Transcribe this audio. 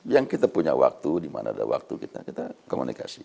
yang kita punya waktu di mana ada waktu kita kita komunikasi